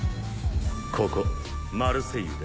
ここマルセイユで。